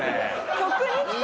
曲に来た。